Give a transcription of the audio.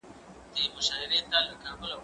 زه اجازه لرم چي زدکړه وکړم؟!